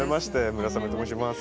村雨と申します。